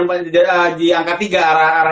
nah itu si sepedal yang ada di angka tiga